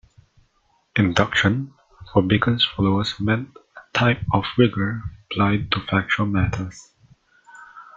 Induction, for Bacon's followers, meant a type of rigour applied to factual matters.